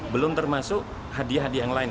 belum termasuk hadiah hadiah yang lain